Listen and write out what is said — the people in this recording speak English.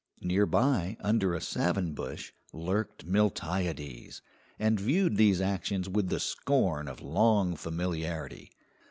Nearby, under a savin bush, lurked Miltiades, and viewed these actions with the scorn of long familiarity.